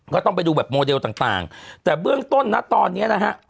ก็ต้องไปดูแบบโมเดลต่างต่างแต่เบื้องต้นนะตอนเนี้ยนะฮะ